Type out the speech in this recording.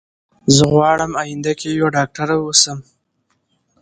زه غواړم اينده کي يوه ډاکتره اوسم